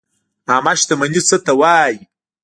عامه شتمني څه ته وایي؟